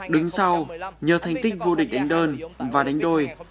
đứng sau nhờ thành tích vua lịch đánh đơn và đánh đôi